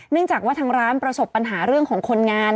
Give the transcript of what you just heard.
จากว่าทางร้านประสบปัญหาเรื่องของคนงาน